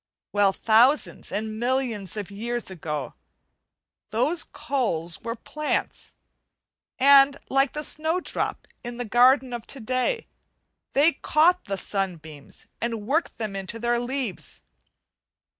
Well, thousands and millions of years ago, those coals were plants; and like the snowdrop in the garden of to day, they caught the sunbeams and worked them into their leaves.